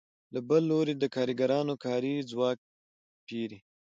له بل لوري د کارګرانو کاري ځواک پېري